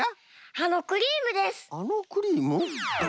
あのクリーム？